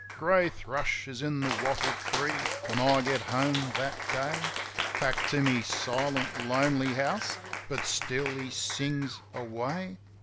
Grey thrush is in the wattle tree when I get home that day — Back to my silent, lonely house — an' still he sings away.